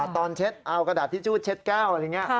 เช็ดเอากระดาษทิชชู่เช็ดแก้วอะไรอย่างนี้